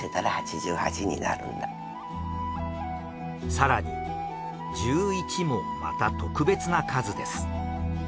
更に十一もまた特別な数です。